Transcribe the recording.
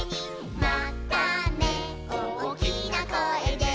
「またねおおきなこえで」